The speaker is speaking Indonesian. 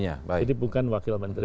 jadi bukan wakil menteri